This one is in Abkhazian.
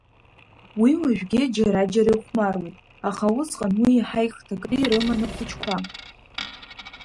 Уи уажәгьы џьара-џьара ихәмаруеит, аха усҟан уи иаҳа ихҭакны ирыман ахәыҷқәа.